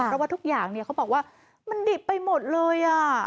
เพราะว่าทุกอย่างเขาบอกว่ามันดิบไปหมดเลย